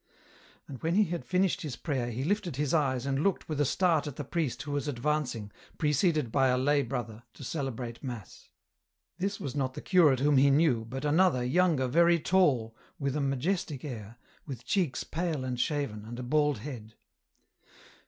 And when he had finished his prayer he Hfted his eyes and looked with a start at the priest who was advancing, preceded by a lay brother, to celebrate mass. This was not the curate whom he knew, but another, younger, very tall, with a majestic air, with cheeks pale and shaven, and a bald head.